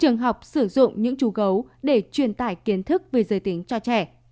trường học sử dụng những chú gấu để truyền tải kiến thức về giới tính cho trẻ